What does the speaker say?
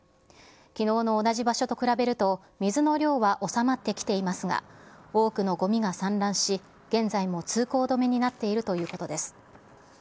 きのうの同じ場所と比べると水の量は収まってきていますが、多くのごみが散乱し、現在も通行止めになっているということです。